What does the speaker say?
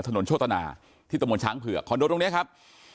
โชตนาที่ตะมนตช้างเผือกคอนโดตรงนี้ครับ